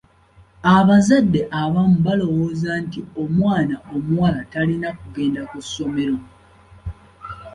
Abazadde abamu balowooza nti omwana omuwala talina kugenda ku ssomero.